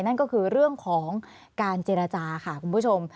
นั่นก็คือเรื่องของการเจรจาค่ะคุณผู้ชม